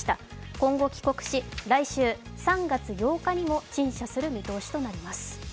今後、帰国し、来週３月８日にも陳謝する見通しとなります。